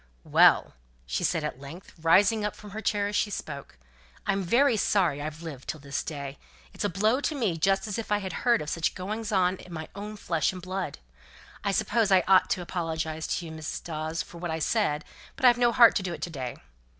"Well!" she said at length, rising up from her chair as she spoke, "I'm very sorry I've lived till this day; it's a blow to me just as if I had heard of such goings on in my own flesh and blood. I suppose I ought to apologize to you, Mrs. Dawes, for what I said; but I've no heart to do it to day.